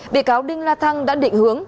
bị cáo đinh la thăng đã định hướng